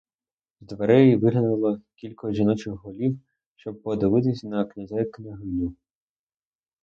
З дверей виглянуло кілька жіночих голів, щоб подивитись на князя й княгиню.